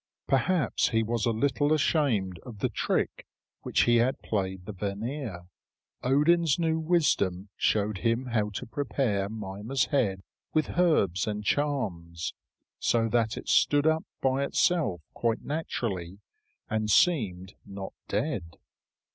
Perhaps he was a little ashamed of the trick which he had played the Vanir. Odin's new wisdom showed him how to prepare Mimer's head with herbs and charms, so that it stood up by itself quite naturally and seemed not dead.